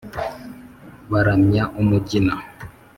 baramya umugina,